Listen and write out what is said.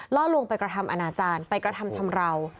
ล่อลวงไปกระทำอนาจารย์ไปกระทำชำราว